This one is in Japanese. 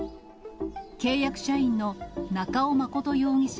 契約社員の中尾誠容疑者